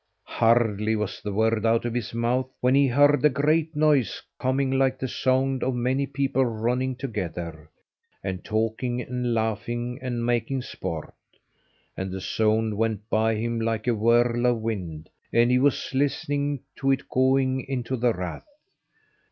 Hardly was the word out of his mouth when he heard a great noise coming like the sound of many people running together, and talking, and laughing, and making sport, and the sound went by him like a whirl of wind, and he was listening to it going into the rath.